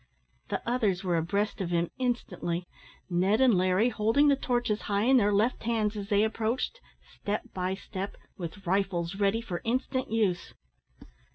The others were abreast of him instantly, Ned and Larry holding the torches high in their left hands as they approached, step by step, with rifles ready for instant use.